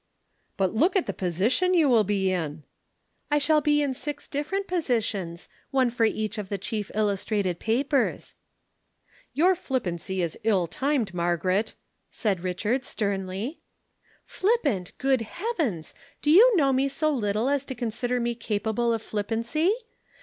"'But look at the position you will be in?' "'I shall be in six different positions one for each of the chief illustrated papers.' "'Your flippancy is ill timed, Margaret,' said Richard sternly. "'Flippant, good heavens! Do you know me so little as to consider me capable of flippancy?